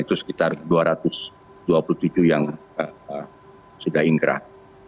itu sekitar dua ratus dua puluh tujuh yang sudah ingkrah